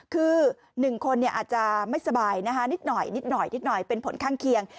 คือ๑คนอาจจะไม่สบายนิดหน่อยเป็นผลข้างเคียง